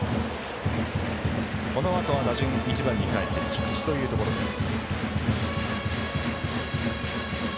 このあとは打順１番にかえって菊池というところです。